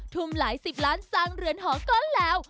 ทุ่มหลายสิบล้านสร้างเรือนหอก็แล้ว